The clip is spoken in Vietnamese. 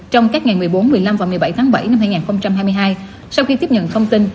trong các ngày một mươi bốn một mươi năm và một mươi bảy tháng bảy năm hai nghìn hai mươi hai sau khi tiếp nhận thông tin